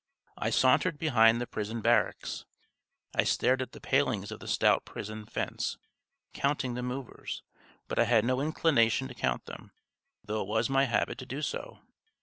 I sauntered behind the prison barracks. I stared at the palings of the stout prison fence, counting the movers; but I had no inclination to count them, though it was my habit to do so.